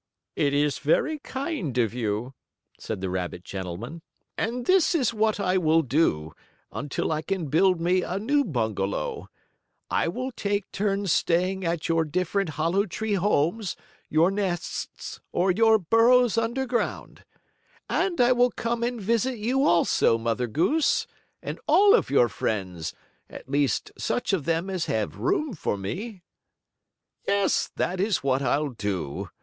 "It is very kind of you," said the rabbit gentleman. "And this is what I will do, until I can build me a new bungalow. I will take turns staying at your different hollow tree homes, your nests or your burrows underground. And I will come and visit you also, Mother Goose, and all of your friends; at least such of them as have room for me. "Yes, that is what I'll do.